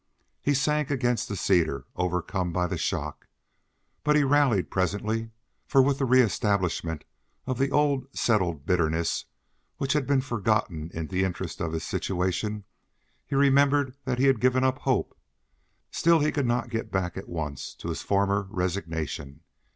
He sank against the cedar, overcome by the shock. But he rallied presently, for with the reestablishment of the old settled bitterness, which had been forgotten in the interest of his situation, he remembered that he had given up hope. Still, he could not get back at once to his former resignation.